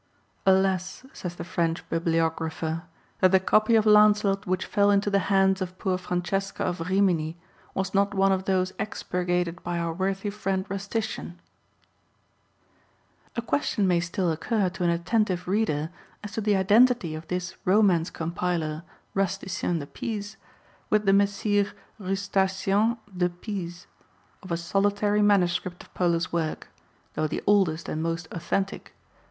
Alas, says the French BibHographer, that the copy of Lancelot, which fell into the hands of poor Francesca of Rimini, was not one of those expurgated by our worthy friend Rustician !{ 41. A question may still occur to an attentive reader as to the identity of this Romance compiler Rusticien de Pise with the Messire Rustacians de Pise, of a solitary MS. of ^^•'■' Identity of Polo's work (though the oldest and most authentic), comT?""